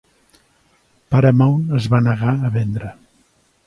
Paramount es va negar a vendre.